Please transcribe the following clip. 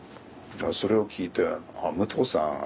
それを聞いてあっ武藤さん